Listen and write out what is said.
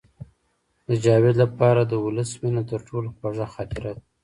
د جاوید لپاره د ولس مینه تر ټولو خوږه خاطره ده